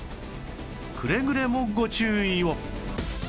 くれぐれもご注意を